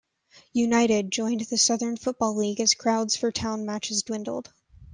United joined the Southern Football League as crowds for Town matches dwindled.